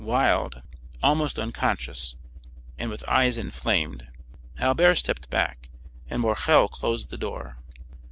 Wild, almost unconscious, and with eyes inflamed, Albert stepped back, and Morrel closed the door.